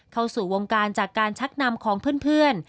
เข้าสู่วงการจากการชักนำของเพื่อน